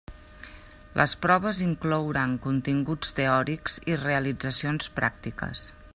Les proves inclouran continguts teòrics i realitzacions pràctiques.